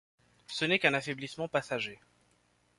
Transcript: Ce n’est qu’un affaiblissement passager.